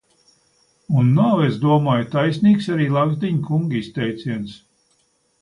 Un nav, es domāju, taisnīgs arī Lagzdiņa kunga izteiciens.